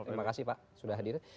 terima kasih pak sudah hadir